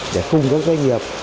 để cùng các doanh nghiệp